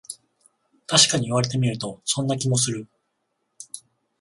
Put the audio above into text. たしかに言われてみると、そんな気もする